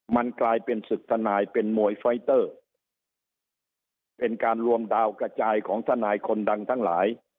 มันกลายเป็นศึกทนายเป็นมวยไฟเตอร์เป็นการรวมดาวกระจายของทนายคนดังทั้งหลาย